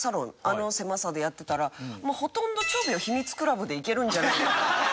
あの狭さでやってたらほとんど朝苗秘密倶楽部でいけるんじゃないかな。